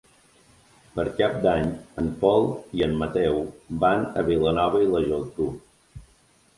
Per Cap d'Any en Pol i en Mateu van a Vilanova i la Geltrú.